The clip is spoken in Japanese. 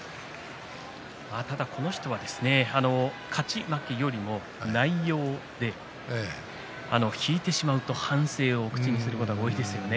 ただこの人は勝ち負けよりも内容で引いてしまうと反省を口にすることが多いですよね。